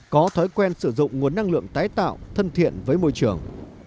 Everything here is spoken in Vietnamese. có thói quen sử dụng nguồn năng lượng tái tạo thân thiện với môi trường